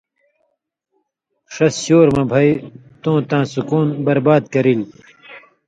ݜس شُور مہ بھئ تُوں تاں سُکُون برباد کرئیل